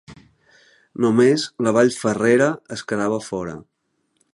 Només la Vall Ferrera en quedava fora.